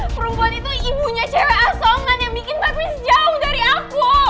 perempuan itu ibunya cewek asongan yang bikin badminist jauh dari aku